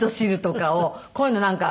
こういうのなんか。